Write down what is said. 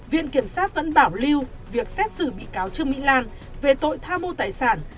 viện kiểm sát vẫn bảo lưu việc xét xử bị cáo trương mỹ lan về tội tham mô tài sản